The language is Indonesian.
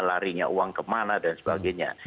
larinya uang kemana dan sebagainya